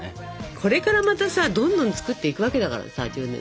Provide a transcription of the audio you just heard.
ここからまたさどんどん作っていくわけだからさ１０年たって。